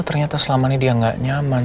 ternyata selama ini dia nggak nyaman